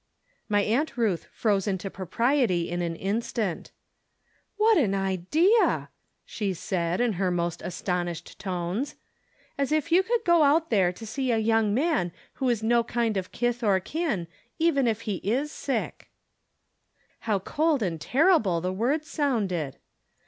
My Aunt Ruth froze into propriety in an in stant. " What an idea !" she said, in her most aston ished tones. " As if you could go out there to 56 From Different Standpoints. see a young man who is no kind of kith or kin, even if he is sick." How cold and horrible the words sounded.